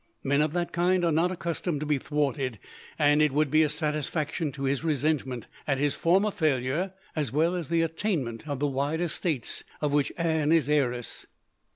Men of that kind are not accustomed to be thwarted, and it would be a satisfaction to his resentment at his former failure, as well as the attainment of the wide estates of which Anne is heiress."